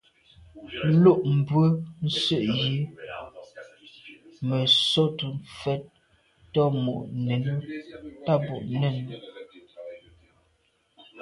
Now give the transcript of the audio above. Lo’ mbwe nse’ yi me sote mfèt tô bo nène.